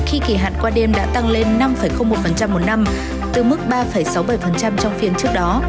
khi kỳ hạn qua đêm đã tăng lên năm một một năm từ mức ba sáu mươi bảy trong phiên trước đó